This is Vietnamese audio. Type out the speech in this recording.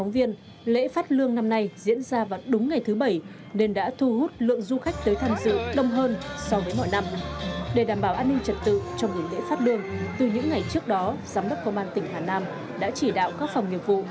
để đảm bảo an ninh trật tự trong nghỉ lễ phát lương từ những ngày trước đó giám đốc công an tỉnh hà nam đã chỉ đạo các phòng nghiệp vụ